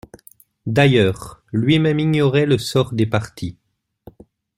D'ailleurs, lui-même ignorait le sort des partis.